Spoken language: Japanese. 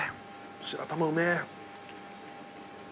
白玉うめえ。